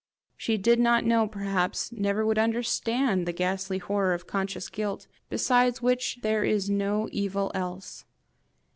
She did not know, perhaps never would understand the ghastly horror of conscious guilt, besides which there is no evil else.